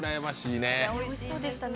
おいしそうでしたね。